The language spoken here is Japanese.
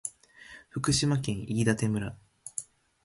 福島県飯舘村